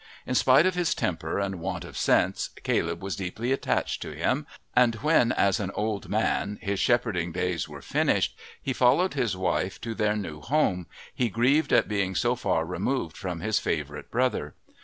In spite of his temper and "want of sense" Caleb was deeply attached to him, and when as an old man his shepherding days were finished he followed his wife to their new home, he grieved at being so far removed from his favourite brother.